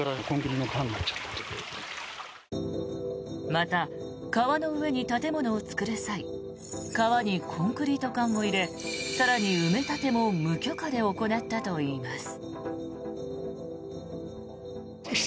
また、川の上に建物を造る際川にコンクリート管を入れ更に埋め立ても無許可で行ったといいます。